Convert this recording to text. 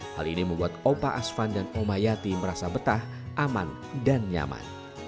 hal ini membuat opa asvan dan omayati merasa betah aman dan nyaman